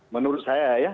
menurut saya ya